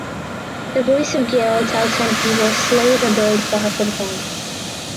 The voice of Geol tells him he will slay the bird far from home.